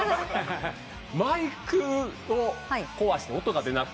マイクを壊して音が出なくなるという。